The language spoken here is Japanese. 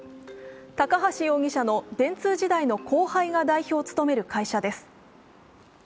高橋容疑者の電通時代の後輩が代表を務める会社です。